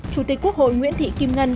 chủ tịch quốc hội nguyễn thị kim ngân